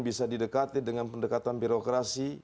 bisa didekati dengan pendekatan birokrasi